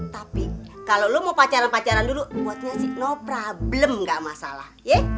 tapi kalo lo mau pacaran pacaran dulu buatnya sih no problem gak masalah